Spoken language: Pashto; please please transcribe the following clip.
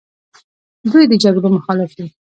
دوی د جګړو مخالف دي.